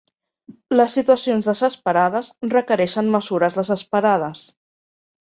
Les situacions desesperades requereixen mesures desesperades.